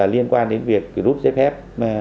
liên quan đến việc rút giấy phép